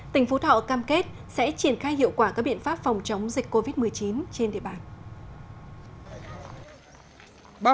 tỉnh phú thọ cam kết sẽ triển khai hiệu quả các biện pháp phòng chống dịch covid một mươi chín trên địa bàn